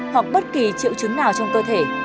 hoặc bất kỳ triệu chứng nào trong cơ thể